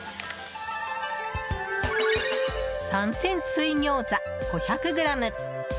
三鮮水餃子５００ｇ